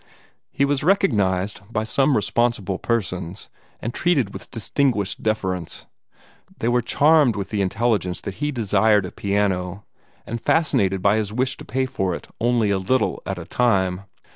He was recognized by some responsible persons, and treated with distinguished deference. They were charmed with the intelligence that he desired a piano, and fascinated by his wish to pay for it only a little at a time.